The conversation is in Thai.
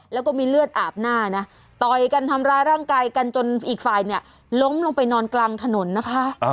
ล้มลงไปนอนกลางถนนนะคะ